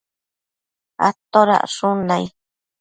atodacshun nai?